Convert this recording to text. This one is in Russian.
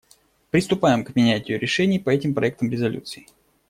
Приступаем к принятию решений по этим проектам резолюций.